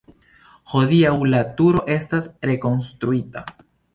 Hodiaŭ la turo estas rekonstruita.